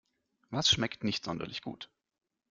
Was schmeckt nicht sonderlich gut?